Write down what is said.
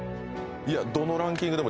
どのランキングでも。